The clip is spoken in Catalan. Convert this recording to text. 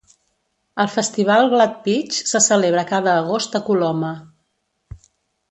El Festival Glad-Peach se celebra cada agost a Coloma.